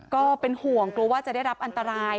ก็เป็นห่วงกลัวว่าจะได้รับอันตราย